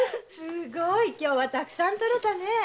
すごい！今日はたくさん採れたね。